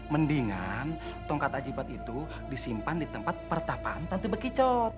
mendingan tongkat ajibat itu disimpan di tempat pertapan tante bekicot